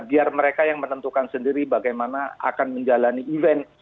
biar mereka yang menentukan sendiri bagaimana akan menjalani event